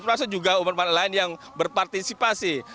termasuk juga umat lain yang berpartisipasi